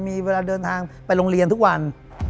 มีเวลาเดินทางไปโรงเรียนทุกวัน